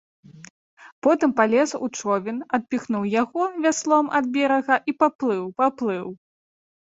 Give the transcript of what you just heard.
Потым палез у човен, адпіхнуў яго вяслом ад берага і паплыў, паплыў.